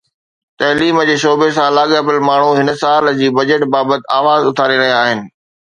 تعليم جي شعبي سان لاڳاپيل ماڻهو هن سال جي بجيٽ بابت آواز اٿاري رهيا آهن